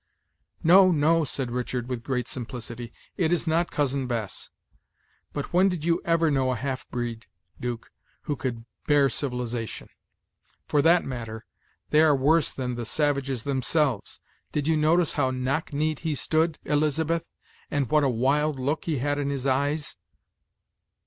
"No, no," said Richard, with great simplicity, "it is not Cousin Bess. But when did you ever know a half breed, 'Duke, who could bear civilization? For that matter, they are worse than the savages themselves! Did you notice how knock kneed he stood, Elizabeth, and what a wild look he had in his eyes?"